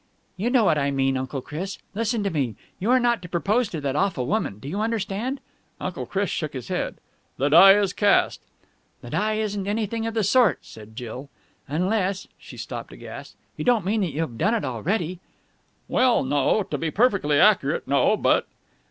"You know what I mean. Uncle Chris, listen to me! You are not to propose to that awful woman. Do you understand?" Uncle Chris shook his head. "The die is cast!" "The die isn't anything of the sort," said Jill. "Unless...." She stopped, aghast. "You don't mean that you have done it already?" "Well, no. To be perfectly accurate, no. But...."